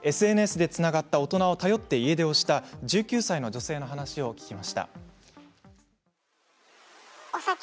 ＳＮＳでつながった大人を頼って家出をした１９歳の女性の話です。